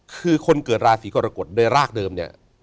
คือคนเกิดราศีกรกฎโดยรากเดิมเนี่ย